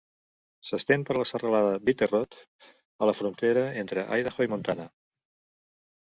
S'estén per la serralada Bitterroot, a la frontera entre Idaho i Montana.